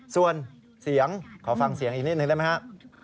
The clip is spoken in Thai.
ส่วนเสียงขอฟังเสียงอีกนิดนึงได้ไหมฮะ